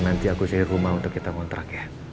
nanti aku cari rumah untuk kita kontrak ya